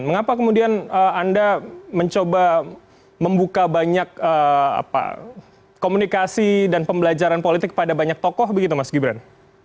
mengapa kemudian anda mencoba membuka banyak komunikasi dan pembelajaran politik kepada banyak tokoh begitu mas gibran